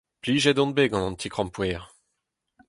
Plijet on bet gant an ti-krampouezh.